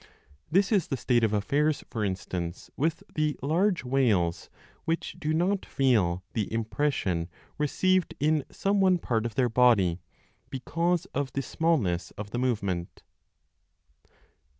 This is the state of affairs, for instance, with the large whales which do not feel the impression received in some one part of their body, because of the smallness of the movement.